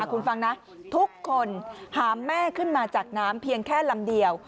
คุณฟังนะทุกคนหามแม่ขึ้นมาจากน้ำเพียงแค่ลำเดียว